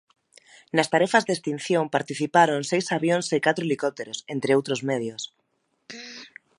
Nas tarefas de extinción participaron seis avións e catro helicópteros, entre outros medios.